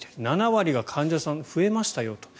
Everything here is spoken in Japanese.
７割が患者さん、増えましたよと。